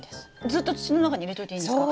ずっと土の中に入れといていいんですか？